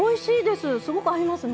すごく合いますね。